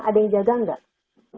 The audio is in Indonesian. ada yang jaga gak